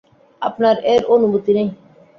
আপনার এর অনুমতি নেই।